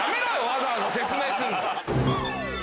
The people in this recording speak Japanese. わざわざ説明するの。